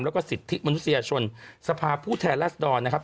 แล้วก็สิทธิมนุษยชนสภาพผู้แทนรัศดรนะครับ